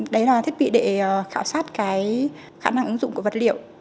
đấy là thiết bị để khảo sát cái khả năng ứng dụng của vật liệu